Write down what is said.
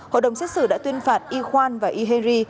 hội đồng xét xử đã tuyên phạt y khoan và y henry